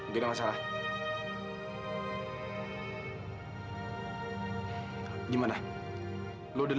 kita makan dulu